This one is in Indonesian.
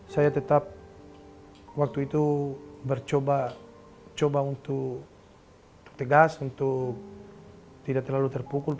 saya tetap waktu itu coba untuk tegas untuk tidak terlalu terpukul